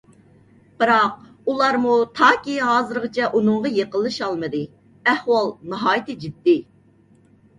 بىراق، ئۇلارمۇ تاكى ھازىرغىچە ئۇنىڭغا يېقىنلىشالمىدى. ئەھۋال ناھايىتى جىددىي.